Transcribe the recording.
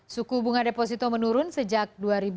suku bunga deposito menurun sejak dua ribu enam belas